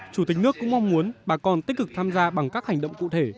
chủ tịch nước cũng mong muốn bà con tích cực tham gia bằng các hành động cụ thể